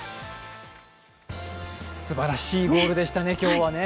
すばらしいゴールでしたね、今日はね。